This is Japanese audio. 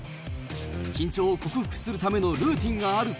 緊張を克服するためのルーティン